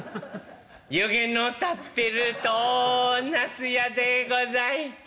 湯気の立ってるとなすやでござい。